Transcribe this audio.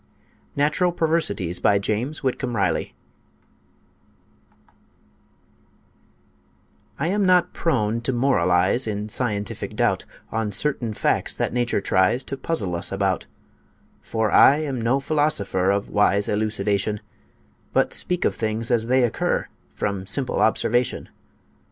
NATURAL PERVERSITIES BY JAMES WHITCOMB RILEY I am not prone to moralize In scientific doubt On certain facts that Nature tries To puzzle us about, For I am no philosopher Of wise elucidation, But speak of things as they occur, From simple observation.